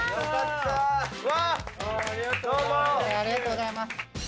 ありがとうございます。